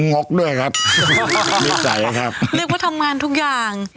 นึกว่าทำงานทุกอย่าง